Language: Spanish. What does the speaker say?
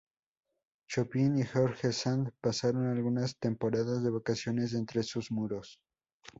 Chopin y George Sand pasaron algunas temporadas de vacaciones entre sus muros.